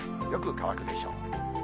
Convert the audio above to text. よく乾くでしょう。